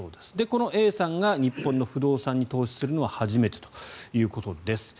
このＡさんが日本の不動産に投資するのは初めてということです。